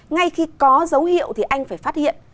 ngay khi có dấu hiệu thì anh phải phát hiện